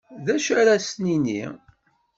D acu ara as-nini?